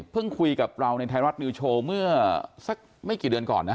คุยกับเราในไทยรัฐนิวโชว์เมื่อสักไม่กี่เดือนก่อนนะ